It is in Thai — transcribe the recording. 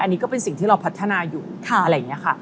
อันนี้ก็เป็นสิ่งที่เราพัฒนาอยู่อะไรอย่างนี้ค่ะ